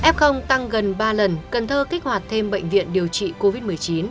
f tăng gần ba lần cần thơ kích hoạt thêm bệnh viện điều trị covid một mươi chín